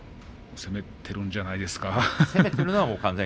攻めているんじゃないですか？